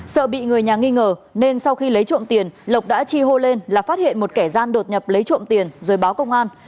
sợ bị người nhà nghi ngờ nên sau khi lấy trộm tiền lộc đã chi hô lên là phát hiện một kẻ gian đột nhập lấy trộm tiền rồi báo công an